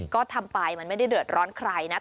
ก็ทำไปมันไม่ได้เดือดร้อนใครนะ